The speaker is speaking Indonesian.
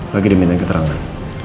lagi diminta keterangan